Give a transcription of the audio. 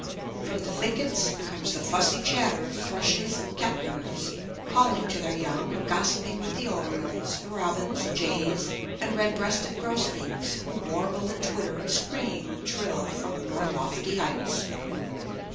From the thickets comes the fussy chatter of thrushes and cat birds, calling to their young or gossiping with the orioles, the robins, jays, and red breasted grosbeaks, who warble and twitter and scream and trill from more lofty heights.